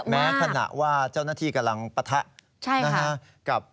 แม้ขณะว่าเจ้าหน้าที่กำลังปะทะกับ